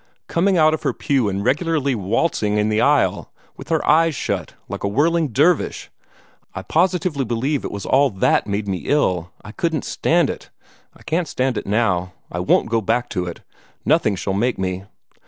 coming out of her pew and regularly waltzing in the aisle, with her eyes shut, like a whirling dervish I positively believe it was all that made me ill. I couldn't stand it. I can't stand it now. I won't go back to it! Nothing shall make me!"